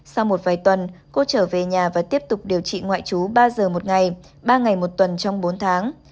sau một vài tuần cô trở về nhà và tiếp tục điều trị ngoại trú ba giờ một ngày ba ngày một tuần trong bốn tháng